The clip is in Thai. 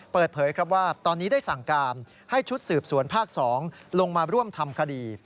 เปิดเผยครับว่าตอนนี้ได้สั่งการให้ชุดสืบสวนภาค๒ลงมาร่วมทำคดี